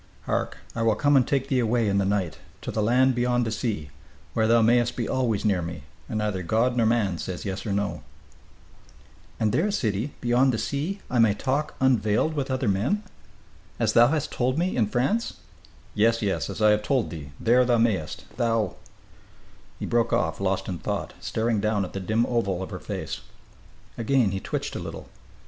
Hark! I will come and take thee away in the night, to the land beyond the sea, where thou mayest be always near me, and neither God nor man say yes or no!" "And there, sidi, beyond the sea, I may talk unveiled with other men? As thou hast told me, in France " "Yes, yes, as I have told thee, there thou mayest thou " He broke off, lost in thought, staring down at the dim oval of her face. Again he twitched a little.